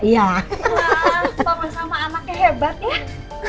wah papa sama anaknya hebat ya